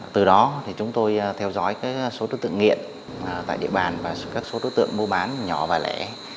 từ đó chúng tôi theo dõi số đối tượng nghiện tại địa bàn và các số đối tượng mua bán nhỏ và lẻ